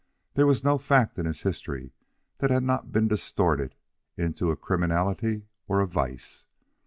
There was no fact in his history that had not been distorted into a criminality or a vice.